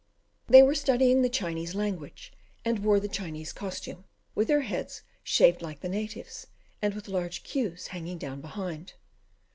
They were studying the Chinese language; and wore the Chinese costume, with their heads shaved like the natives, and with large cues hanging down behind.